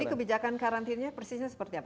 jadi kebijakan karantinanya persisnya seperti apa